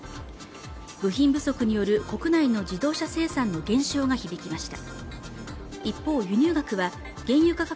部品不足による国内の自動車生産の減少が響きました。